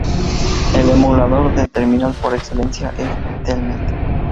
El emulador de terminal por excelencia es Telnet.